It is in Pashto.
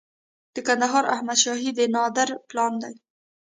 د کندهار احمد شاهي د نادر پلان دی